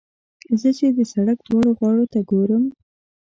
زه چې د سړک دواړو غاړو ته ګورم.